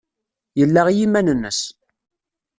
Yella i yiman-nnes.